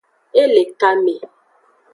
E le kame.